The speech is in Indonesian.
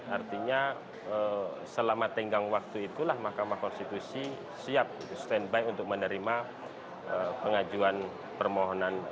artinya selama tenggang waktu itulah mahkamah konstitusi siap standby untuk menerima pengajuan permohonan